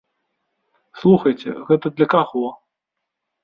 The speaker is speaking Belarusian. Слухайце, гэта для каго?